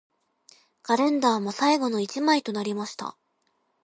カレンダーも最後の一枚となりました